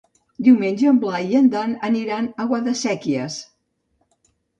Diumenge en Blai i en Dan aniran a Guadasséquies.